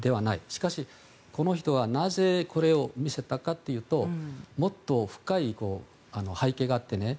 しかし、この人はなぜ、これを見せたかというともっと深い背景があってね。